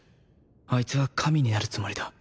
あいつは神になるつもりだ